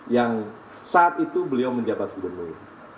yang saat itu beliau menjabat gubernur